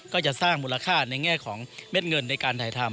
ก็จะสร้างมูลค่าในแง่ของเม็ดเงินในการถ่ายทำ